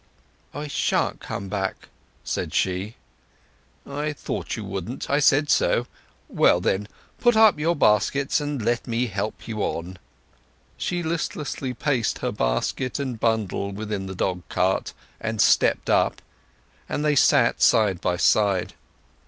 "I shan't come back," said she. "I thought you wouldn't—I said so! Well, then, put up your basket, and let me help you on." She listlessly placed her basket and bundle within the dog cart, and stepped up, and they sat side by side.